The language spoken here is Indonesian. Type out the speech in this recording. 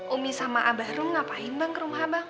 umi sama aba rom ngapain bang ke rumah bang